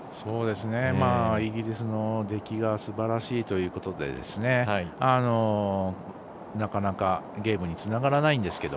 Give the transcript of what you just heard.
イギリスの出来がすばらしいということでなかなか、ゲームにつながらないんですけど。